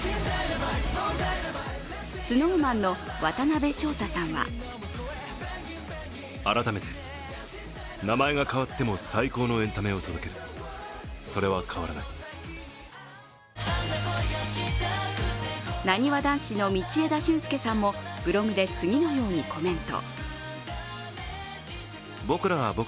ＳｎｏｗＭａｎの渡辺翔太さんはなにわ男子の道枝駿佑さんもブログで次のようにコメント。